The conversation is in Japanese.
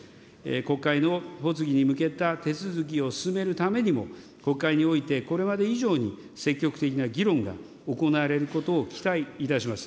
国会の発議に向けた手続きを進めるためにも、国会において、これまで以上に積極的な議論が行われることを期待いたします。